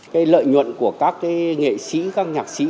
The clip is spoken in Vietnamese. cái lợi nhuận của các cái nghệ sĩ các nhạc sĩ